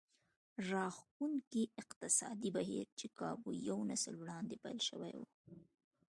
راښکوونکي اقتصادي بهير چې کابو يو نسل وړاندې پيل شوی و.